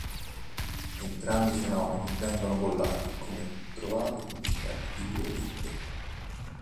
Entrambi i fenomeni vengono bollati come trovate pubblicitarie di due ditte.